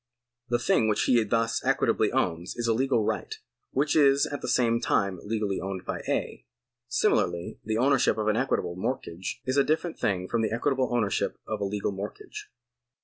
The thing which he thus equitably owns is a legal right, which is at the same time legally owned by A. Similarly the ownership of an equitable mortgage is a different thing from the equitable ownership of a legal mortgage.